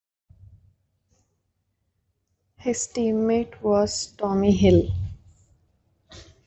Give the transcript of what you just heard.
His teammate was Tommy Hill.